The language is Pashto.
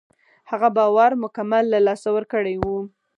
هغه باور مکمل له لاسه ورکړی و.